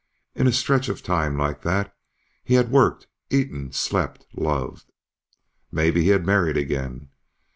In a stretch of time like that, he had worked, eaten, slept, loved ... Maybe he had married again!